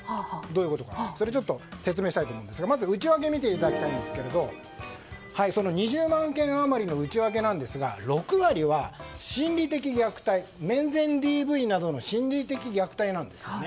どういうことか説明したいと思いますが内訳を見ていただきたいんですがその２０万件余りの内訳ですが６割は心理的虐待面前ＤＶなどの心理的虐待なんです。